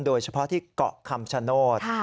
โดยเฉพาะที่เกาะคำชโนธ